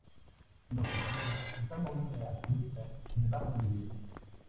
Los ataúdes están hoy en la cripta debajo de la iglesia.